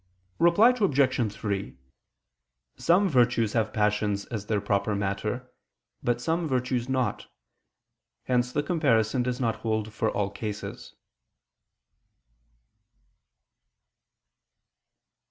Reply Obj. 3: Some virtues have passions as their proper matter, but some virtues not. Hence the comparison does not hold for all cases.